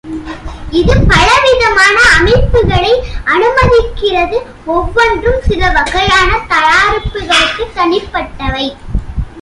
இது பலவிதமான அமைப்புகளை அனுமதிக்கிறது, ஒவ்வொன்றும் சில வகையான தயாரிப்புகளுக்கு தனிப்பட்டவை.